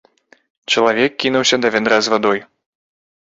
Чалавек кінуўся да вядра з вадой.